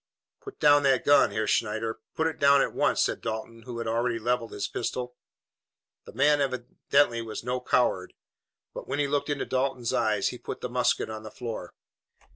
"Put down that gun, Herr Schneider! Put it down at once!" said Dalton, who had already levelled his pistol. The man was evidently no coward, but when he looked into Dalton's eye, he put the musket on the floor.